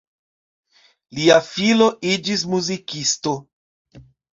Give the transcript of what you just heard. Lia filo iĝis muzikisto.